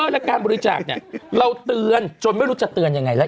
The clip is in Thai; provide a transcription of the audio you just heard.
และการบริจาคเนี่ยเราเตือนจนไม่รู้จะเตือนยังไงแล้ว